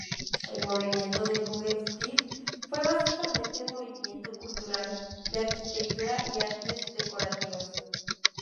El movimiento del Jugendstil fue básicamente un movimiento cultural de arquitectura y artes decorativas.